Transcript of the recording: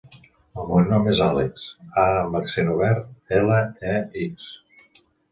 El meu nom és Àlex: a amb accent obert, ela, e, ics.